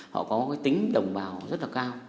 họ có cái tính đồng bào rất là cao